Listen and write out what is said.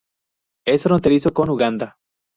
Es fronterizo con Uganda.